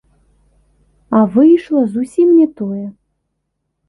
А выйшла зусім не тое.